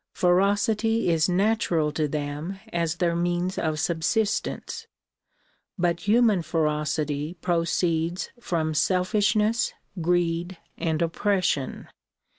Ferocity is natural to them as their means of subsistence ; but human ferocity proceeds from selfishness, greed and oppression.